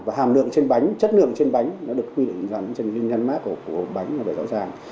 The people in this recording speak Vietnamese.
và hàm lượng trên bánh chất lượng trên bánh nó được quy định dẫn trên nhân mát của bánh nó phải rõ ràng